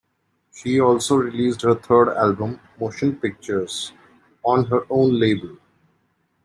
She also released her third album "Motion Pictures", on her own label.